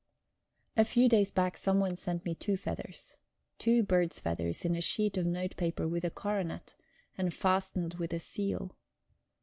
A few days back someone sent me two feathers. Two bird's feathers in a sheet of note paper with a coronet, and fastened with a seal.